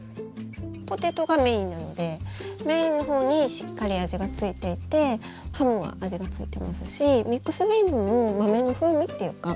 ポテトがメインなのでメインのほうにしっかり味が付いていてハムは味が付いてますしミックスビーンズも豆の風味っていうか